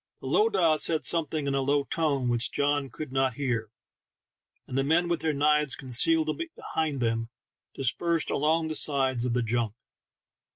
The lowdah said something in a low tone which John could not hear, and the men with their knives concealed behind them, dispersed along the sides of the junk.